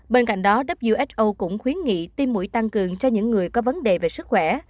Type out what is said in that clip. bên cạnh đó who cũng khuyến nghị tim mũi tăng cường cho những người có vấn đề về sức khỏe